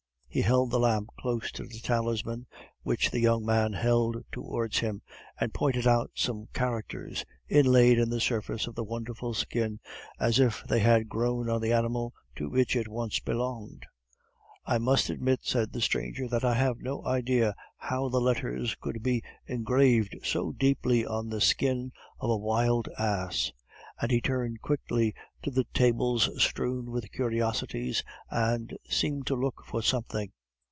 He held the lamp close to the talisman, which the young man held towards him, and pointed out some characters inlaid in the surface of the wonderful skin, as if they had grown on the animal to which it once belonged. "I must admit," said the stranger, "that I have no idea how the letters could be engraved so deeply on the skin of a wild ass." And he turned quickly to the tables strewn with curiosities and seemed to look for something.